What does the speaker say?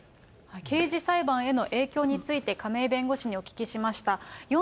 刑事裁判への影響について、亀井弁護士にお聞きしました。